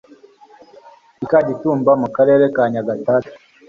i kagitumba mu karere ka nyagatare